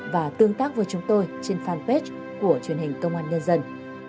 và tương tác với chúng tôi trên fanpage của truyền hình công an nhân dân